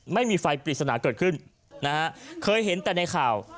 ไม่มีไฟปริศนาเกิดขึ้นนะฮะเคยเห็นแต่ในข่าว